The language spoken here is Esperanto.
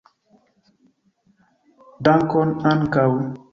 Dankon ankaŭ